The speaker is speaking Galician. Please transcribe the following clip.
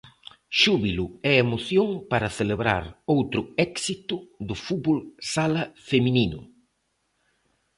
Xúbilo e emoción para celebrar outro éxito do fútbol sala feminino.